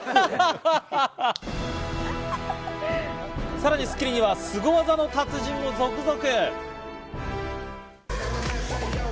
さらに『スッキリ』にはスゴ技の達人も続々。